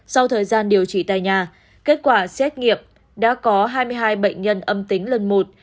sau thời gian điều trị tại nhà kết quả xét nghiệm đã có hai mươi hai bệnh nhân âm tính lần một